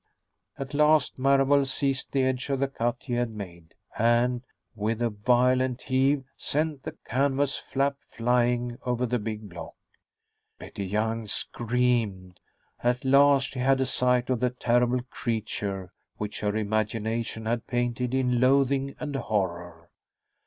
At last Marable seized the edge of the cut he had made and, with a violent heave, sent the canvas flap flying over the big block. Betty Young screamed. At last she had a sight of the terrible creature which her imagination had painted in loathing and horror.